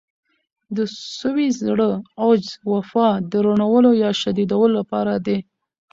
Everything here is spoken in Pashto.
د سوي زړه، عجز، وفا د رڼولو يا شديدولو لپاره دي.